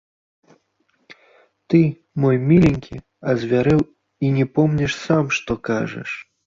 Ты, мой міленькі, азвярэў і не помніш сам, што кажаш.